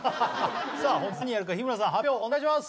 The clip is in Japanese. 本日何やるか日村さん発表お願いします！